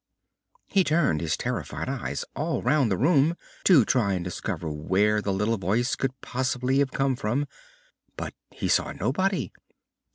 He turned his terrified eyes all around the room to try and discover where the little voice could possibly have come from, but he saw nobody!